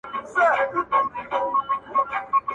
که پر سړک پروت وم، دنیا ته په خندا مړ سوم .